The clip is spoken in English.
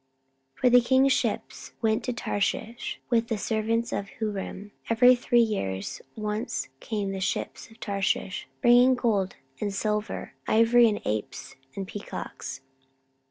14:009:021 For the king's ships went to Tarshish with the servants of Huram: every three years once came the ships of Tarshish bringing gold, and silver, ivory, and apes, and peacocks.